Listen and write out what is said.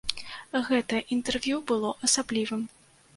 Гэтае інтэрв'ю было асаблівым.